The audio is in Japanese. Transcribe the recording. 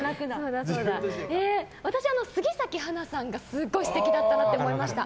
私、杉咲花さんがすごい素敵だったなと思いました。